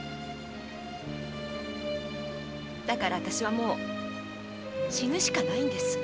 だから私はもう死ぬしかないんです。